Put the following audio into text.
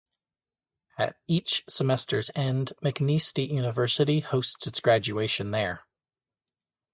At each semester's end, McNeese State University hosts its graduation there.